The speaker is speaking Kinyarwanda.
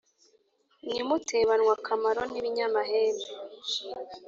Nimutebanwe akamaro n'ibinyamahembe